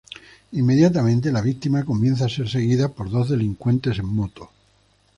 Inmediatamente la víctima comienza a ser seguida por dos delincuentes en moto.